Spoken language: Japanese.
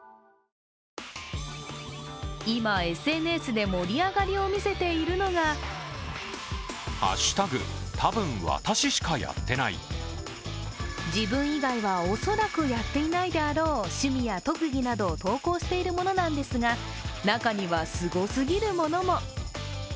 今、ＳＮＳで盛り上がりを見せているのが自分以外は恐らくやっていないであろう趣味や特技などを投稿しているものなんですが、中にはすごすぎるものも。